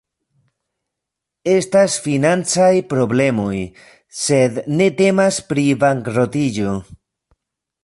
Estas financaj problemoj, sed ne temas pri bankrotiĝo.